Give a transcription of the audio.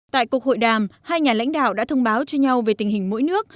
tại cuộc hội đàm hai nhà lãnh đạo đã thông báo cho nhau về tình hình mỗi nước